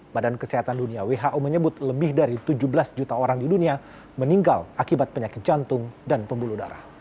badan kesehatan dunia who menyebut lebih dari tujuh belas juta orang di dunia meninggal akibat penyakit jantung dan pembuluh darah